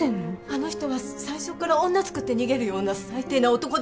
あの人は最初から女つくって逃げるような最低な男だったの。